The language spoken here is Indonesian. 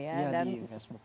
iya di facebook